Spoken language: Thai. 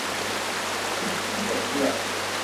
ลิงขี้ใส่เรือ